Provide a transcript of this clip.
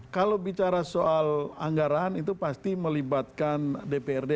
jadi secara soal anggaran itu pasti melibatkan dprd